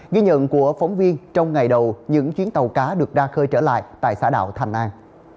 ghi nhận của phóng viên trong ngày đầu những chuyến tàu cá được ra khơi trở lại tại xã đảo thành an